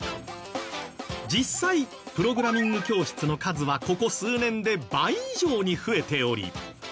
実際プログラミング教室の数はここ数年で倍以上に増えており。